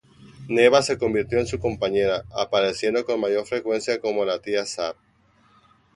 Neva se convirtió en su compañera apareciendo con mayor frecuencia como la Tía Sap.